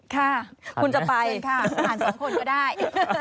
ค่ะจะไปทาน๒คนก็ได้